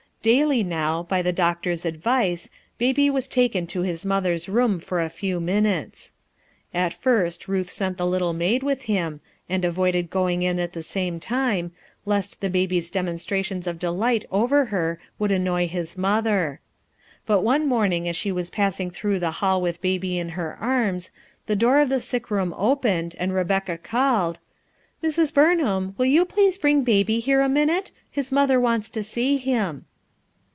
Daily now, by the doctor's advice, Baby was taken to his mother's room for a few minutes. At first, Ruth sent the little maid with him, and avoided going in at the same time, lest the baby's demonstrations of delight over her would annoy his mother. But one morning as she was pass ing through the hall with Baby in her arms, the door of the sick room opened, and Rebecca called :— "Mrs. Burnham, will you please bring Baby here a minute? His mother wants to see him."